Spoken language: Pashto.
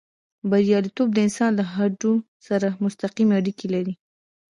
برياليتوب د انسان له هوډ سره مستقيمې اړيکې لري.